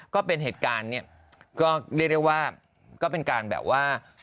ก็เป็นเหตุการณ์เนี่ยก็เรียกได้ว่าก็เป็นการแบบว่า